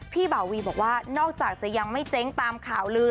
เบาวีบอกว่านอกจากจะยังไม่เจ๊งตามข่าวลือ